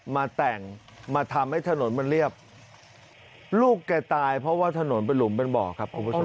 มาแต่งมาทำให้ถนนมันเรียบลูกแกตายเพราะว่าถนนเป็นหลุมเป็นบ่อครับคุณผู้ชม